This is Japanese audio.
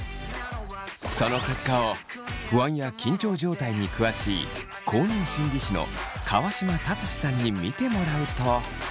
その結果を不安や緊張状態に詳しい公認心理師の川島達史さんに見てもらうと。